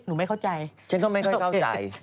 ไม่เข้าใจฉันก็ไม่ค่อยเข้าใจ